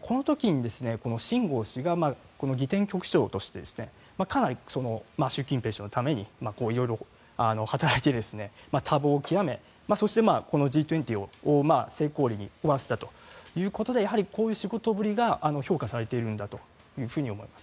この時に、シン・ゴウ氏が儀典局長としてかなり習近平氏のために色々働いて多忙を極め、そしてＧ２０を成功裏に終わらせたということでやはりこういう仕事ぶりが評価されているんだと思います。